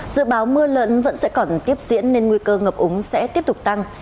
dự báo mưa lớn vẫn sẽ còn tiếp diễn nên nguy cơ ngập úng sẽ tiếp tục tăng